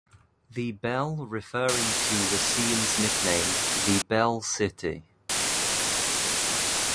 The Belle referring to Racine's nickname "The Belle City".